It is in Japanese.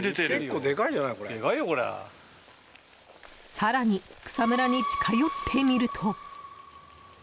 更に草むらに近寄ってみると。